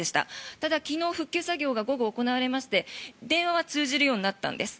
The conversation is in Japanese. ただ、昨日復旧作業が午後行われまして電話は通じるようになったんです。